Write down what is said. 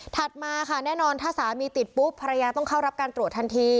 มาค่ะแน่นอนถ้าสามีติดปุ๊บภรรยาต้องเข้ารับการตรวจทันที